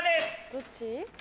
どっち？